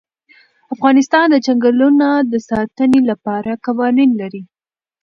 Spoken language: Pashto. افغانستان د چنګلونه د ساتنې لپاره قوانین لري.